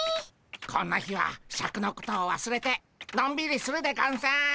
こんな日はシャクのことをわすれてのんびりするでゴンス。